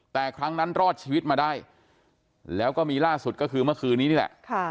แต่ครั้งนั้นรอดชีวิตมาได้แล้วก็มีล่าสุดก็คือเมื่อคืนนี้นี่แหละ